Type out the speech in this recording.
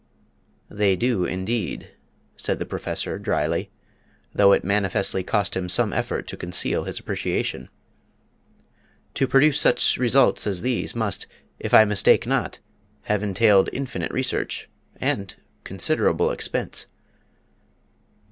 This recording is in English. "They do, indeed," said the Professor, dryly, though it manifestly cost him some effort to conceal his appreciation. "To produce such results as these must, if I mistake not, have entailed infinite research and considerable expense."